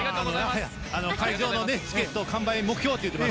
会場のチケット完売目標ということで。